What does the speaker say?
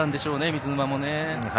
水沼もね。